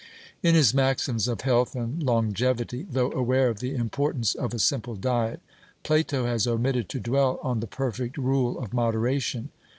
In his maxims of health and longevity, though aware of the importance of a simple diet, Plato has omitted to dwell on the perfect rule of moderation.